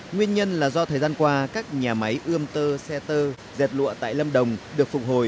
nguyên nhân là do thời gian qua các nhà máy ươm tơ xe tơ dệt lụa tại lâm đồng được phục hồi